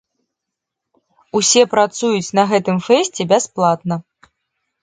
Усе працуюць на гэтым фэсце бясплатна.